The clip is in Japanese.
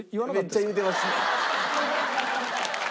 めっちゃ言うてました。